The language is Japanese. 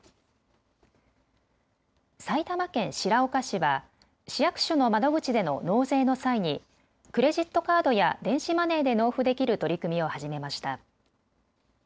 埼玉県白岡市は市役所の窓口での納税の際にクレジットカードや電子マネーで納付できる取り組みを始めました。